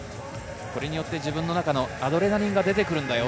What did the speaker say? これによって自分の中のアドレナリンが出てくるんだよ。